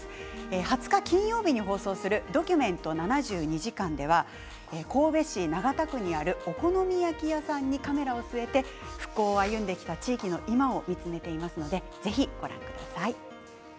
２０日金曜日に放送する「ドキュメント７２時間」では神戸市長田区にあるお好み焼き屋さんにカメラを据えて復興を歩んできた地域の今を見つめていますのでぜひご覧ください。